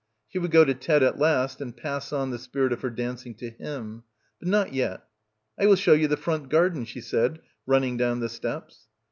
She would go to Ted at last and pass on the spirit of her dancing to him. But not yet. "I will show you the front garden," she said, running down the steps.